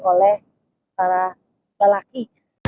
oleh para lelaki